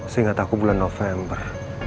seingat aku bulan november